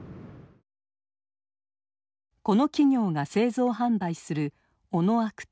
この企業が製造販売する「オノアクト」。